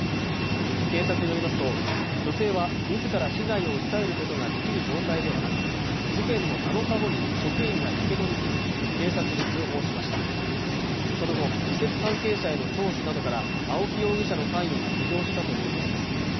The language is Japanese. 警察によりますと女性は自ら被害を訴えることができる状態ではなく事件の７日後に職員がやけどに気付き警察に通報しましたその後施設関係者への聴取などから青木容疑者の関与が浮上したということです